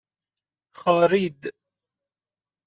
خارید